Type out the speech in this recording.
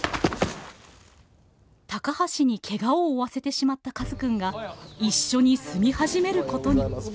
高橋にケガを負わせてしまったカズくんが一緒に住み始めることに。